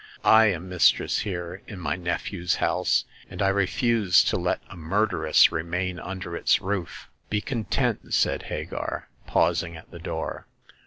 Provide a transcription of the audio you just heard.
" I am mistress here in my nephew's house, and I refuse to let a murderess remain under its roof !"" Be content," said Hagar, pausing at the door.